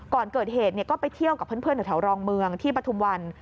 ก่อนเกิดเหตุก็ไปเที่ยวกับเพื่อนแถวรองเมืองที่ปฐุมวัน